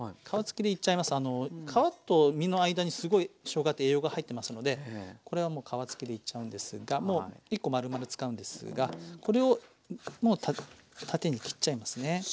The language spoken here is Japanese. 皮と実の間にすごいしょうがって栄養が入ってますのでこれはもう皮付きでいっちゃうんですがもう１コまるまる使うんですがこれをもう縦に切っちゃいますね。